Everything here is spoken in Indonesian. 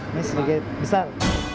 ini sedikit besar